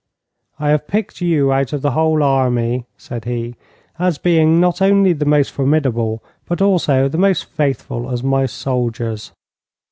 'I have picked you out of the whole army,' said he, 'as being not only the most formidable but also the most faithful of my soldiers.